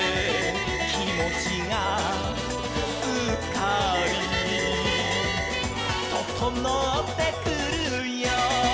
「きもちがすっかり」「ととのってくるよ」